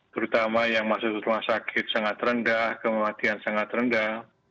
terutama yang masuk rumah sakit sangat rendah kematian sangat rendah